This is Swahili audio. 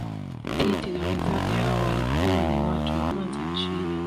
Titi na wenzake hao walikuwa ni watu wa kwanza nchini